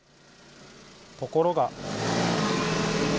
ところが。